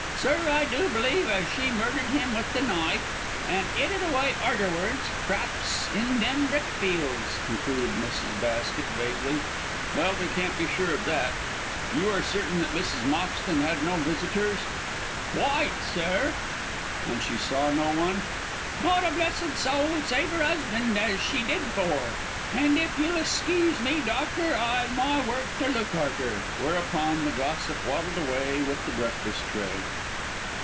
Sir, I do believe as she murdered him with the knife, and 'id it way arterwards p'r'aps in them brickfields," concluded Mrs. Basket, vaguely. "Well, we can't be sure of that. You are certain that Mrs. Moxton had no visitors?" "Quite, sir." "And she saw no one?" "Not a blessed soul save 'er 'usband as she did for. And if you'll excuse me, doctor, I've my work to look arter," whereupon the gossip waddled away with the breakfast tray.